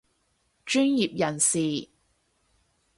專業人士